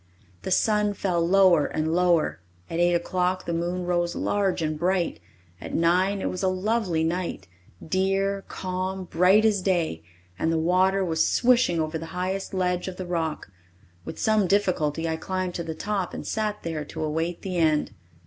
The sun fell lower and lower; at eight o'clock the moon rose large and bright; at nine it was a lovely night, dear, calm, bright as day, and the water was swishing over the highest ledge of the rock. With some difficulty I climbed to the top and sat there to await the end.